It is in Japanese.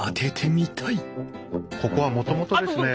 ここはもともとですね。